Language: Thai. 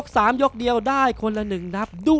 สวัสดีครับ